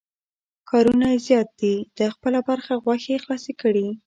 کارونه یې زیات دي، ده خپله برخه غوښې خلاصې کړې.